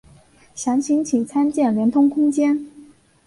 详情请参见连通空间。